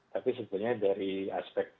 tapi sebenarnya dari aspek